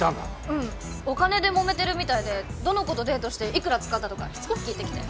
うんお金でもめてるみたいでどの子とデートしていくら使ったとかしつこく聞いてきて。